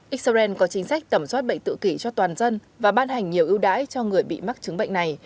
israel có chính sách tẩm soát bệnh tự kỷ cho toàn dân và ban hành nhiều ưu đãi cho người bị mắc chứng bệnh này